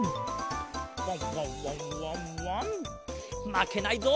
まけないぞ。